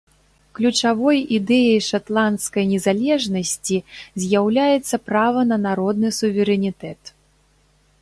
Ключавой ідэяй шатландскай незалежнасці з'яўляецца права на народны суверэнітэт.